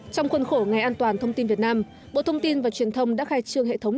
trong khuôn khổ ngày an toàn thông tin việt nam bộ thông tin và truyền thông đã khai trương hệ thống